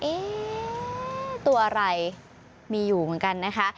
ตัวอะไรมีอยู่เหมือนกันนะคะ